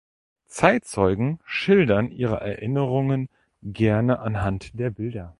Zeitzeugen schildern ihre Erinnerungen gerne anhand der Bilder.